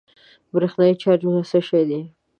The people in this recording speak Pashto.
برېښنايي چارجونه څه شی دي؟